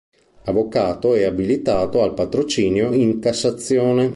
Avvocato e abilitato al patrocinio in Cassazione.